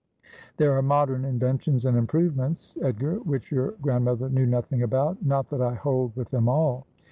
' There are modern inventions and improvements, Edgar, which your grandmother knew nothing about. Not that I hold with them all.